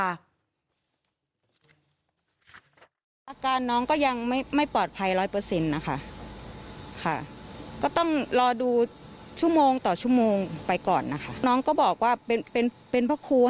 แล้วตอนนี้ทางโรงเรียนพูดต่อ